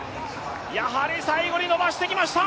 やはり最後に伸ばしてきました。